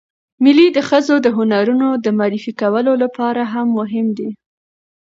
مېلې د ښځو د هنرونو د معرفي کولو له پاره هم مهمې دي.